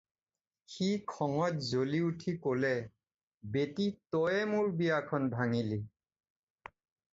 "সি খঙত জ্বলি উঠি ক'লে- "বেটী তয়ে মোৰ বিয়াখন ভাঙিলি।"